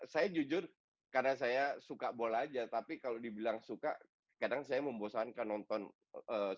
saya jujur karena saya suka bola aja tapi kalau dibilang suka kadang saya membosankan nonton